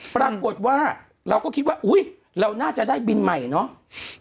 ปรากฏว่าเราก็คิดว่าอุ๊ยเราน่าจะได้บินใหม่เนาะ